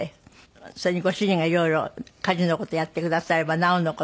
それにご主人がいろいろ家事の事やってくださればなおの事。